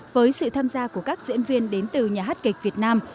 với sự tham gia của các diễn viên đến từ nhà hát kịch việt nam